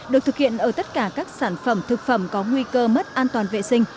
được thực hiện ở tất cả các sản phẩm thực phẩm có nguy cơ mất an toàn vệ sinh